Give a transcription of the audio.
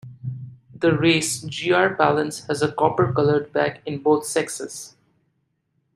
The race "G. r. pallens" has a copper-coloured back in both sexes.